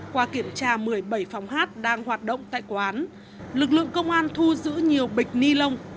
qua kiểm tra một mươi bảy phòng hát đang hoạt động tại quán lực lượng công an thu giữ nhiều bịch ni lông